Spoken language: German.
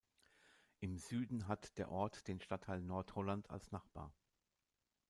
Im Süden hat der Ort den Stadtteil Nordholland als Nachbar.